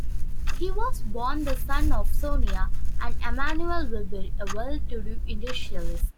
He was born the son of Sonia and Emmanuel Weber, a well-to-do industrialist.